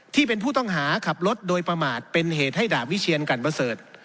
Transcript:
ที่เป็นผู้ต้องหาขับรถโดยประมาทเป็นเหตุให้ดาบวิเชียนกันประเสริฐ